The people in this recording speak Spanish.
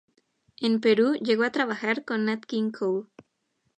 En Perú llegó a trabajar con Nat King Cole.